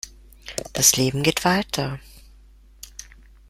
Das Leben geht weiter.